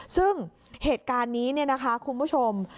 ซึ่งเหตุการณ์นี้เนี่ยนะคะคุณผู้ชม